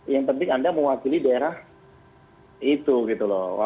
yang penting anda mewakili daerah itu gitu loh